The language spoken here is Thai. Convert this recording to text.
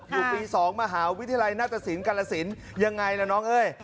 อยู่ปี๒มหาวิทยาลัยนาฏศิลป์กรรศิลป์ยังไงล่ะน้อง